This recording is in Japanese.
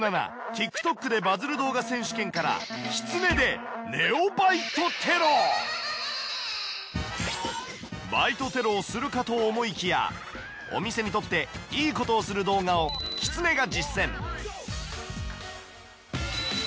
ＴｉｋＴｏｋでバズる動画選手権からきつねでバイトテロをするかと思いきやお店にとっていいことをする動画をきつねが実践。